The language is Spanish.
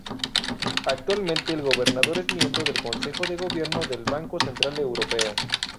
Actualmente, el gobernador es miembro del Consejo de Gobierno del Banco Central Europeo.